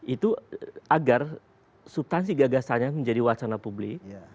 itu agar subtansi gagasannya menjadi wacana publik